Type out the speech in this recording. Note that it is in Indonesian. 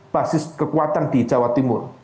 basis kekuatan di jawa timur